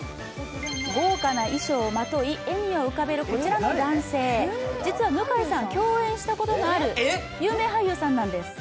豪華な衣装をまとい、笑みを浮かべるこちらの男性、実は向井さん、共演したことのある有名俳優さんなんです。